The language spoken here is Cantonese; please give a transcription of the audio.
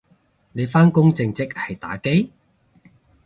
你返工正職係打機？